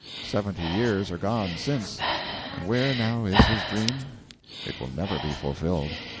Seventy years are gone since, and where now is his dream? It will never be fulfilled.